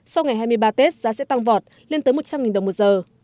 sau ngày hai mươi ba tết giá sẽ tăng vọt lên tới một trăm linh đồng một giờ